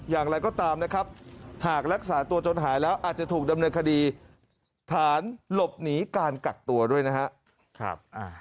อย่างไรก็ตามนะครับหากรักษาตัวจนหายแล้วอาจจะถูกดำเนินคดีฐานหลบหนีการกักตัวด้วยนะครับ